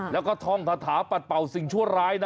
แล้วก็ท่องคาถาปัดเป่าสิ่งชั่วร้ายนะ